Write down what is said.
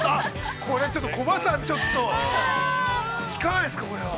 これ、ちょっとコバさん、いかがですか、これは。